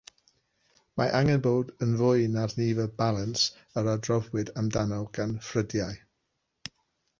Mae angen bod yn fwy na'r nifer “balans” yr adroddwyd amdano gan ffrydiau.